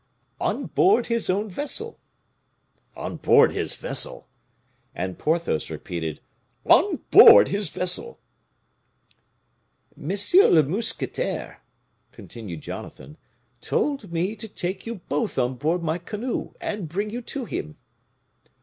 "On board his own vessel." "On board his vessel!" and Porthos repeated, "On board his vessel!" "M. le mousquetaire," continued Jonathan, "told me to take you both on board my canoe, and bring you to him."